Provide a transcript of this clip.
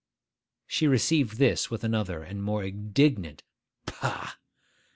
She received this with another and more indignant 'Pah!